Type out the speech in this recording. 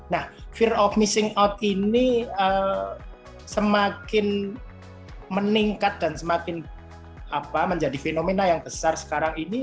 nah fear of missing out ini semakin meningkat dan semakin menjadi fenomena yang besar sekarang ini